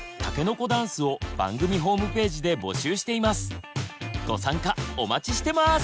番組ではご参加お待ちしてます！